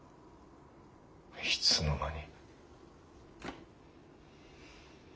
いつの間に。